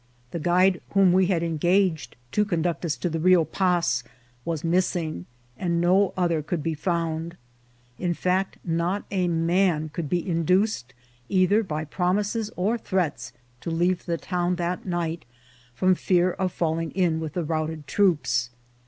The guide whom we had engaged to conduct us to the Rio Paz was missing, and no other could be found ; in fact, not a man could be induced, either by promises or threats, to leave the town that night from fear of falling in with the routed troops.